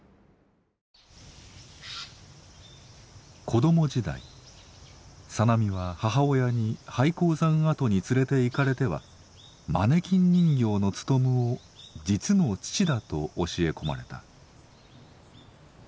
子供時代小波は母親に廃鉱山跡に連れていかれてはマネキン人形のツトムを実の父だと教え込まれた。